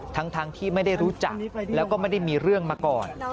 ทั้งที่ไม่ได้รู้จักแล้วก็ไม่ได้มีเรื่องมาก่อน